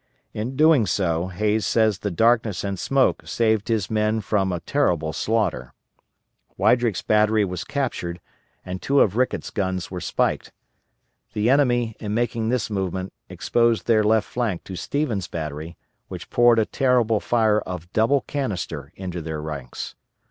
In doing so Hays says the darkness and smoke saved his men from a terrible slaughter. Weidrick's battery was captured, and two of Ricketts' guns were spiked. The enemy, in making this movement, exposed their left flank to Stevens' battery, which poured a terrible fire of double canister into their ranks.